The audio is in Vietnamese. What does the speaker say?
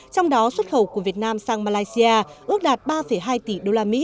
trong đó xuất khẩu của việt nam sang malaysia ước đạt ba hai tỷ usd